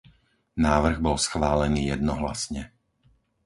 Návrh bol schválený jednohlasne.